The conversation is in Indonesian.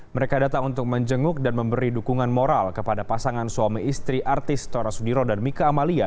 mereka datang untuk menjenguk dan memberi dukungan moral kepada pasangan suami istri artis tora sudiro dan mika amalia